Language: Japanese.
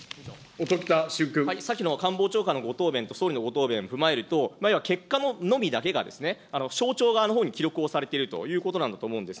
さっきの官房長官のご答弁と総理のご答弁を踏まえると、要は結果のみだけが省庁側のほうに記録をされているということだと思うんです。